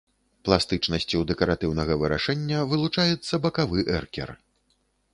Пластычнасцю дэкаратыўнага вырашэння вылучаецца бакавы эркер.